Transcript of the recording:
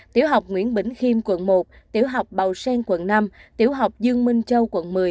tiểu học nguyễn bình khiêm quận một tiểu học bầu sen quận năm tiểu học dương minh châu quận một mươi